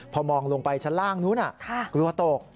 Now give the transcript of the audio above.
พอมองลงไปชั้นล่างนู้นกลัวตก